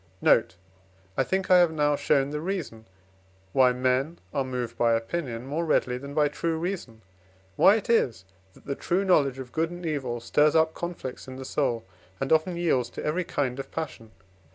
Note. I think I have now shown the reason, why men are moved by opinion more readily than by true reason, why it is that the true knowledge of good and evil stirs up conflicts in the soul, and often yields to every kind of passion.